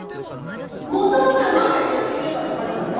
もともとはマヤが強く閉めるから壊れたんだよ。